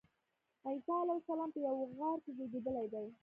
عیسی علیه السلام په یوه غار کې زېږېدلی دی.